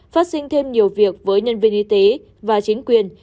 phát sinh thêm nhiều việc với nhân viên y tế và chính quyền